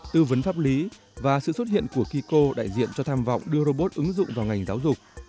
tư vấn pháp lý và sự xuất hiện của kiko đại diện cho tham vọng đưa robot ứng dụng vào ngành giáo dục